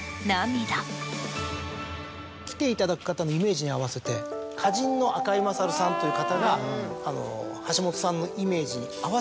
来ていただく方のイメージに合わせて花人の赤井勝さんという方が橋本さんのイメージに合わせて。